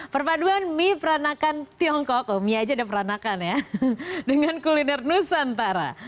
perpaduan mie peranakan tiongkok mie aja ada peranakan ya dengan kuliner nusantara